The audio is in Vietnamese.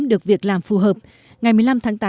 được việc làm phù hợp ngày một mươi năm tháng tám